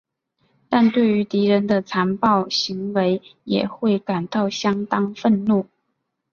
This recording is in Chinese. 但对于敌人的残暴行为也会感到相当愤怒。